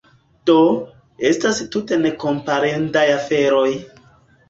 Do, estas tute nekomparendaj aferoj.